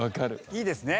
いいですね。